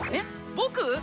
僕⁉